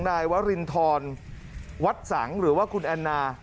นายวรินทรวัดสังหรือว่าคุณแอนนา